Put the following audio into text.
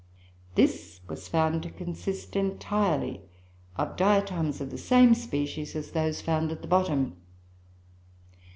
This was found to consist entirely of Diatoms of the same species as those found at the bottom.